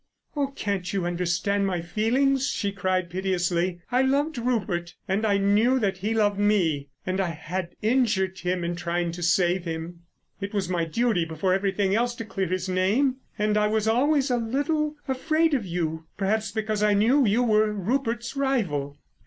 "Oh, can't you understand my feelings," she cried piteously. "I loved Rupert and I knew that he loved me, and I had injured him in trying to save him. It was my duty before everything else to clear his name.... And I was always a little afraid of you—perhaps because I knew you were Rupert's rival."